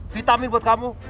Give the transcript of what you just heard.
vitamin buat kamu